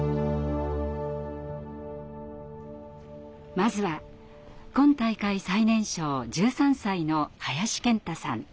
まずは今大会最年少１３歳の林健太さん。